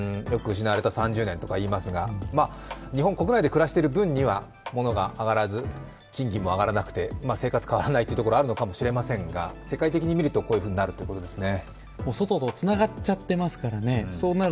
よく失われた３０年とかいいますが日本国内で暮らしている分には物が上がらず賃金も上がらなくて生活が変わらないというところなのかもしれませんが世界的に見るとこういうふうになるということですね。